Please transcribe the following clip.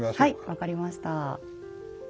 はい分かりました。